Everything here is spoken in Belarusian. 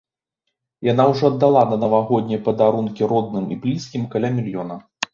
Яна ўжо аддала на навагоднія падарункі родным і блізкім каля мільёна.